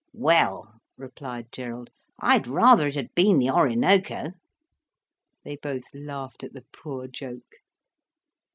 "Well," replied Gerald, "I'd rather it had been the Orinoco." They both laughed at the poor joke.